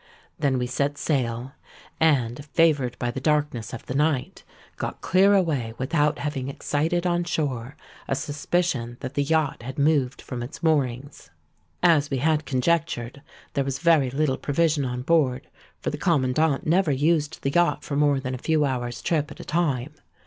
Then we set sail; and, favoured by the darkness of the night, got clear away without having excited on shore a suspicion that the yacht had moved from its moorings. "As we had conjectured, there was very little provision on board; for the Commandant never used the yacht for more than a few hours' trip at a time.